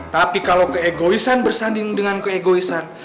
tapi kalau keegoisan bersanding dengan keegoisan